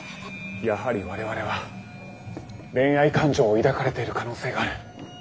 やはり我々は恋愛感情を抱かれている可能性がある。